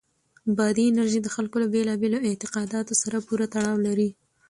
بادي انرژي د خلکو له بېلابېلو اعتقاداتو سره پوره تړاو لري.